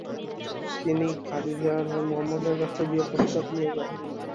তিনি খাদিজার হয়ে মুহাম্মদ এর কাছে বিয়ের প্রস্তাব নিয়ে যান।